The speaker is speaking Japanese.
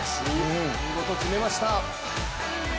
見事決めました。